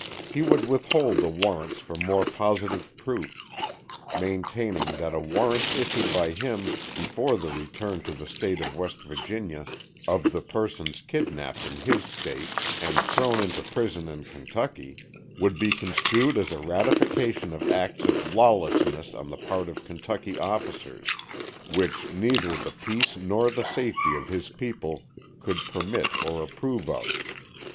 He would withhold the warrants for more positive proof, maintaining that a warrant issued by him before the return to the State of West Virginia of the persons kidnapped in his State and thrown into prison in Kentucky, would be construed as a ratification of acts of lawlessness on the part of Kentucky officers, which neither the peace nor the safety of his people could permit or approve of.